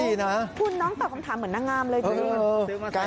อ๋ออีกเป็นเหตุสังเกตได้ค่ะ